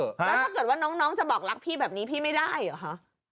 แล้วถ้าเกิดว่าน้องจะบอกรักพี่แบบนี้พี่ไม่ได้เหรอคะ